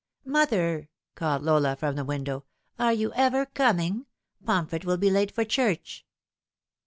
" Mother," called Lola from the window, " are you ever coming ? Pomfret will be late for church."